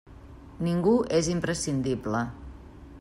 Ningú és imprescindible.